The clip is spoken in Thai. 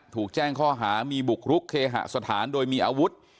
ถูกแจ้งข้อหามีบุกรุกเคหสถานโดยมีอาวุธ